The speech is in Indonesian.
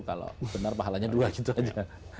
kalau benar pahalanya dua gitu aja